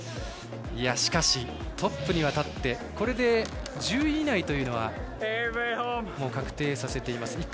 しかしトップには立ってこれで１０位以内はもう確定させています。